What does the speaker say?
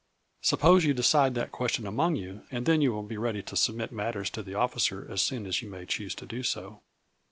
Suppose you de cide that question among you, and then you will be ready to submit matters to the officer as soon as you may choose to do so."